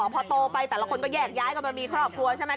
พอโตไปแต่ละคนก็แยกย้ายกันไปมีครอบครัวใช่ไหม